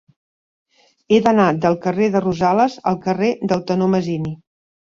He d'anar del carrer de Rosales al carrer del Tenor Masini.